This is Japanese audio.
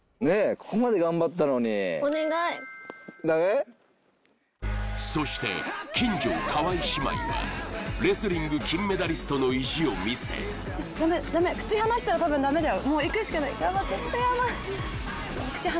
ここまで頑張ったのにそして金城川井姉妹はレスリング金メダリストの意地を見せダメダメ頑張ってヤバい